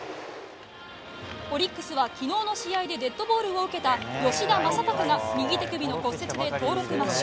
オリックスは、昨日の試合でデッドボールを受けた吉田正尚が右手首の骨折で登録抹消。